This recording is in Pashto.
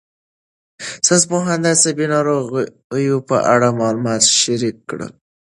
ساینسپوهان د عصبي ناروغیو په اړه معلومات شریک کړل.